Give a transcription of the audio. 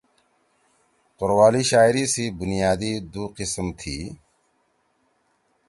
توروالی شاعری سی بُنیادی دُو قِسم تھی۔